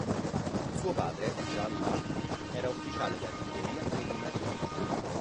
Suo padre, Jean Marques, era ufficiale d'artiglieria e di marina.